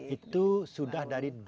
itu sudah dari dua ribu sebelas